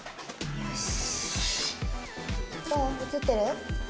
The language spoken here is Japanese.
よし。